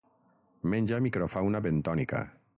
Menja microfauna bentònica.